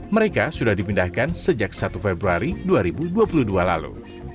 mereka sudah dipindahkan sejak satu februari dua ribu dua puluh dua lalu